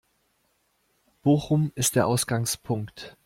Bochum ist der Ausgangspunkt.